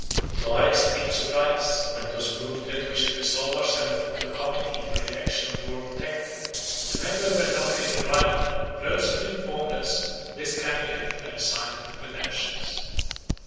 To our extreme surprise, when it was moved that we should resolve ourselves into a committee for the election of the Lord Protector, the member who had nominated Ryland, rose and informed us that this candidate had resigned his pretensions.